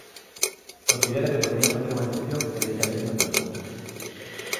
Considera que poderían facer unha excepción e deixarlles ir a polas cousas.